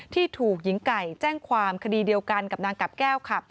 ที่ถูกหญิงไก่แจ้งความคดีเดียวกันกับนางกับแก้วค่ะ